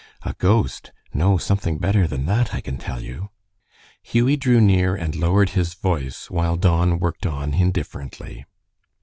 "A ghost? No, something better than that, I can tell you." Hughie drew near and lowered his voice, while Don worked on indifferently.